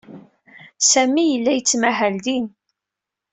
Sami yella yettmahal din.